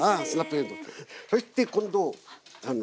そして今度あの。